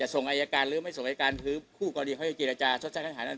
ส่งอายการหรือไม่ส่งอายการคือผู้กรีศ์พยาบาลธิกฎาชาติสัตว์เสียหาย